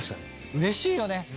うれしいよね。